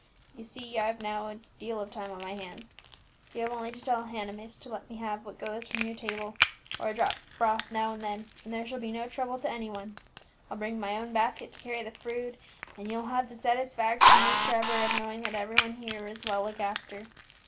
You see I've now a deal of time on my hands. You have only to tell Hannah, miss, to let me have what goes from your table, or a drop of broth now and then, and there shall be no trouble to any one; I'll bring my own basket to carry the food, and you'll have the satisfaction, Miss Trevor, of knowing that every one here is well looked after."